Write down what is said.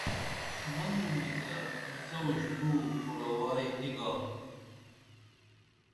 مننُمی تیہ انیچہ اُشترو پوروائی نی گا